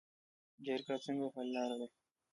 جرګه څنګه حل لاره ده؟